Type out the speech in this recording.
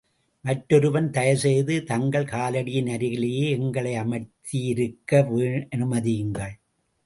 மற்றொருவன், தயவுசெய்து, தங்கள் காலடியின் அருகிலேயே எங்களையமர்ந்திருக்க அனுமதியுங்கள்.